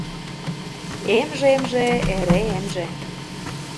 ...эмже, эмже — эре эмже...